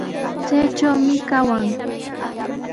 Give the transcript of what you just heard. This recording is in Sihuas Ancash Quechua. Chaytrawmi kawan.